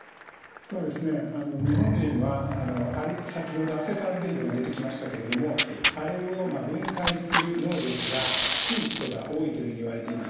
そうですね日本人は先ほどアセトアルデヒドが出てきましたけれどもあれをまあ分解する能力が低い人が多いというふうにいわれています。